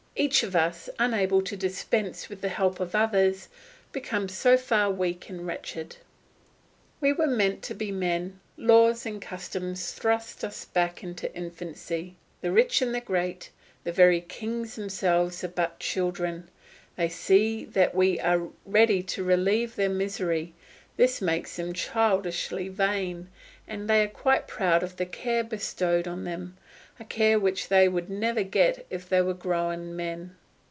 Each of us, unable to dispense with the help of others, becomes so far weak and wretched. We were meant to be men, laws and customs thrust us back into infancy. The rich and great, the very kings themselves are but children; they see that we are ready to relieve their misery; this makes them childishly vain, and they are quite proud of the care bestowed on them, a care which they would never get if they were grown men.